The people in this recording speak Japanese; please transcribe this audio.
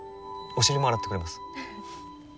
お尻も洗ってくれます。